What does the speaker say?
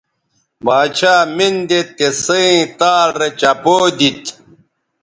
باڇھا مِن دے تِسیئں تال رے چپو دیتھ